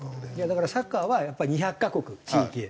だからサッカーはやっぱり２００カ国地域。